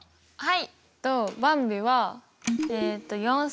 はい。